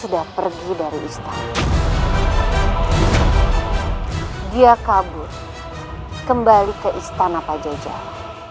dia kabur kembali ke istana pajajara